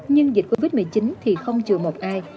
nhưng dịch covid một mươi chín thì không chừa một ai